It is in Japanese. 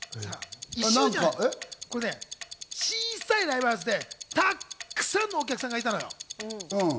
これね、小さいライブハウスで、たくさんのお客さんがいたのよ。